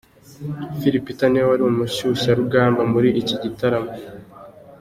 Phil Peter niwe wari umushyushyarugamba muri iki gitaramo.